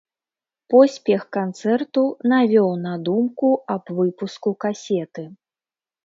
Поспех канцэрту навёў на думку аб выпуску касеты.